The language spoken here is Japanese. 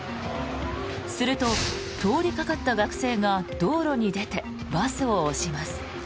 すると、通りかかった学生が道路に出てバスを押します。